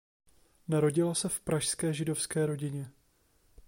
Narodila se v pražské židovské rodině.